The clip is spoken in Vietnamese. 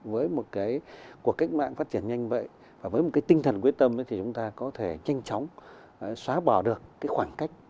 với một cái cuộc cách mạng phát triển nhanh vậy và với một cái tinh thần quyết tâm thì chúng ta có thể nhanh chóng xóa bỏ được cái khoảng cách